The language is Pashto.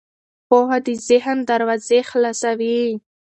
پوهه د ذهن دروازې خلاصوي.